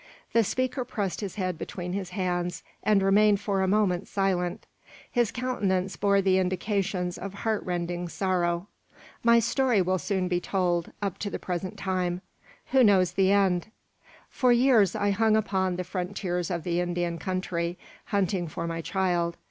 The speaker pressed his head between his hands, and remained for a moment silent. His countenance bore the indications of heartrending sorrow. "My story will soon be told up to the present time. Who knows the end? "For years I hung upon the frontiers of the Indian country, hunting for my child.